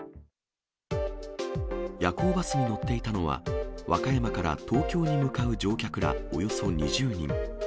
夜行バスに乗っていたのは、和歌山から東京に向かう乗客らおよそ２０人。